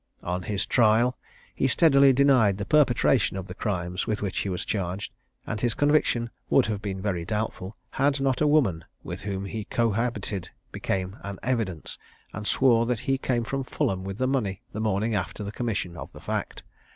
On his trial he steadily denied the perpetration of the crimes with which he was charged; and his conviction would have been very doubtful, had not a woman with whom he cohabited become an evidence, and sworn that he came from Fulham with the money the morning after the commission of the fact.